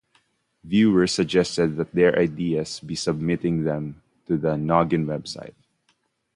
Viewers suggested their ideas by submitting them to the Noggin website.